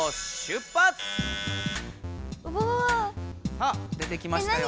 さあ出てきましたよ。